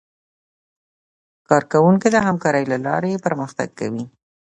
کارکوونکي د همکارۍ له لارې پرمختګ کوي